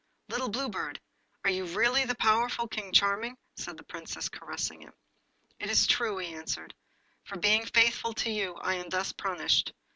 Little Blue Bird, are you really the powerful King Charming?' said the Princess, caressing him. 'It is too true,' he answered. 'For being faithful to you I am thus punished.